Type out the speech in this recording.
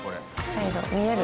サイド見える？